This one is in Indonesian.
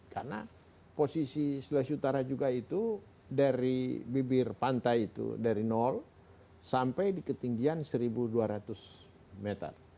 karena posisi sulawesi utara juga itu dari bibir pantai itu dari nol sampai di ketinggian satu dua ratus meter